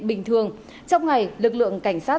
bình thường trong ngày lực lượng cảnh sát